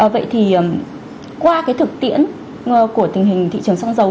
vậy thì qua cái thực tiễn của tình hình thị trường xăng dầu